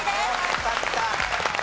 よかった。